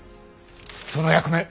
その役目